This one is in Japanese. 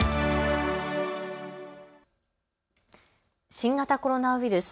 新型コロナウイルス。